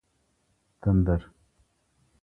تندر